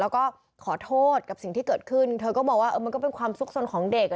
แล้วก็ขอโทษกับสิ่งที่เกิดขึ้นเธอก็มองว่ามันก็เป็นความสุขสนของเด็ก